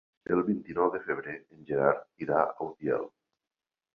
El vint-i-nou de febrer en Gerard irà a Utiel.